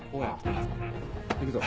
行くぞ。